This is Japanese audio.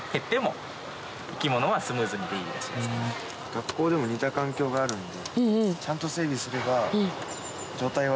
学校でも似た環境があるので。